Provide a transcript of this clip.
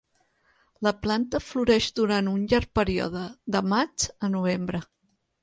La planta floreix durant un llarg període, de maig a novembre.